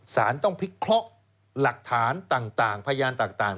สารต้องพิเคราะห์หลักฐานต่างพยานต่าง